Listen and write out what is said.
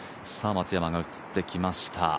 松山が映ってきました。